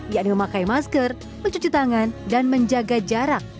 yakni memakai masker mencuci tangan dan menjaga jarak